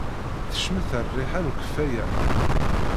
Tecmet rriḥa n ukeffay-a.